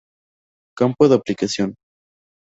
Campo de Aplicación.